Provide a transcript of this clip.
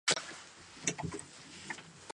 駐車場。そうだ、駐車場に行ったんだ。僕は呟く、声を出す。